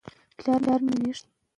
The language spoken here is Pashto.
پښتو زده کړه په ذهن فشار نه راوړي.